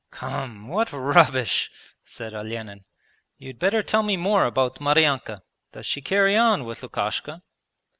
'Come, what rubbish!' said Olenin. 'You'd better tell me more about Maryanka. Does she carry on with Lukashka?'